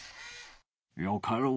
よかろう。